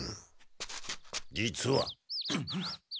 実は。